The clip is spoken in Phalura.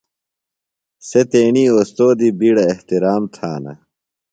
سےۡ تیݨی اوستوذی بِیڈیۡ احترام تھانہ۔